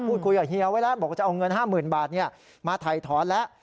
พูดคุยกับเฮียไว้แล้วบอกว่าจะเอาเงิน๕๐๐๐บาทมาถ่ายถอนแล้ว